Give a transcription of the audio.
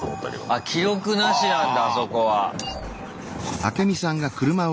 あっ記録なしなんだあそこは。